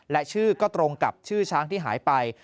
และชื่อก็ตรงกับชื่อช้างที่หายไป